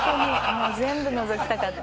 もう全部のぞきたかった」